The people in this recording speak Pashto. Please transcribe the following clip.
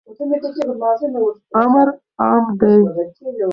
امر عام دی.